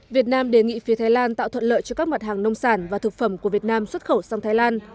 việt nam đề nghị phía thái lan tạo thuận lợi cho các mặt hàng nông sản và thực phẩm của việt nam xuất khẩu sang thái lan